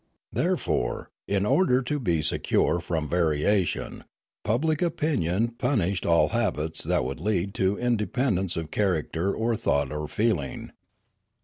Therefore, in order to be secure from variation, public opinion punished all habits that would lead to independence of character or thought or feeling.